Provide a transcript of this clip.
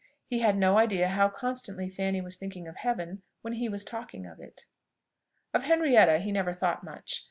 He had no idea how constantly Fanny was thinking of heaven, when he was talking of it. Of Henrietta he never thought much.